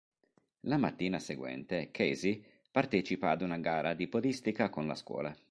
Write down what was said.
La mattina seguente, Casey partecipa ad una gara di podistica con la scuola.